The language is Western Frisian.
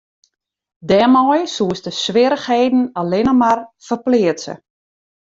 Dêrmei soest de swierrichheden allinne mar ferpleatse.